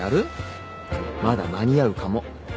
まだ間に合うかも。